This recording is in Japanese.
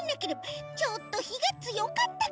ちょっとひがつよかったかな？